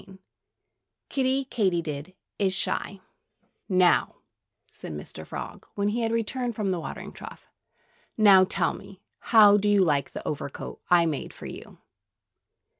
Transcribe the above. XIII KIDDIE KATYDID IS SHY "Now " said Mr. Frog, when he had returned from the watering trough "now tell me, how do you like the overcoat I made for you?"